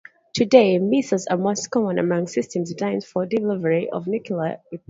Today, missiles are most common among systems designed for delivery of nuclear weapons.